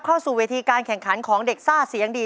เข้าสู่เวทีการแข่งขันของเด็กซ่าเสียงดี